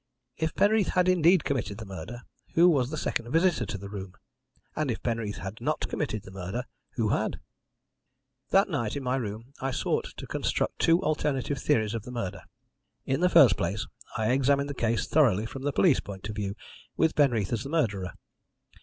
If Penreath had indeed committed the murder, who was the second visitor to the room? And if Penreath had not committed the murder, who had? "That night, in my room, I sought to construct two alternative theories of the murder. In the first place, I examined the case thoroughly from the police point of view, with Penreath as the murderer.